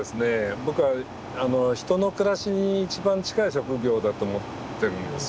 僕は人の暮らしに一番近い職業だと思ってるんですよ。